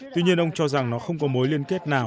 tuy nhiên ông cho rằng nó không có mối liên kết nào